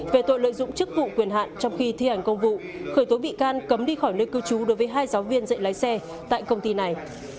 về tội lợi dụng chức vụ quyền hạn trong khi thi hành công vụ khởi tố bị can cấm đi khỏi nơi cư trú đối với hai giáo viên dạy lái xe tại công ty này